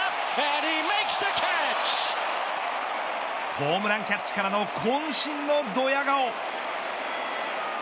ホームランキャッチからのこん身のドヤ顔。